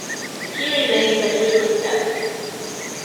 He remains a frequent guest.